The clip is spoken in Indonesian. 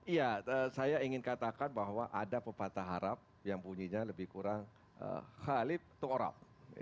iya saya ingin katakan bahwa ada pepatah harap yang bunyinya lebih kurang khalib toram